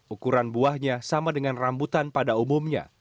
ukuran buahnya sama dengan rambutan pada umumnya